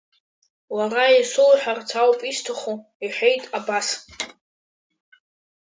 Уара исоуҳәарц ауп исҭаху, – иҳәеит Абас.